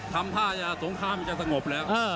ทำท่าจะสงครามจะสงบแล้ว